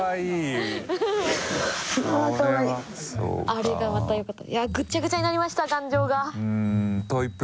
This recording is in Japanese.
あれがまたよかった。